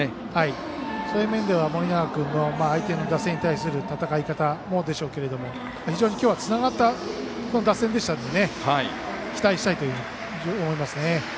そういう面では盛永君の相手の打線に対する戦い方もでしょうけど非常に今日はつながった打線でしたので期待したいと思いますね。